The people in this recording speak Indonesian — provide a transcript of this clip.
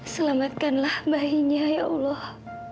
selamatkanlah bayinya ya allah